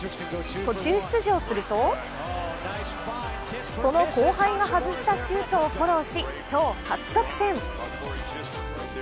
途中出場すると、その後輩が外したシュートをフォローし、今日、初得点。